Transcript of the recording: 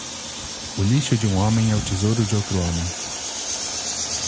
O lixo de um homem é o tesouro de outro homem.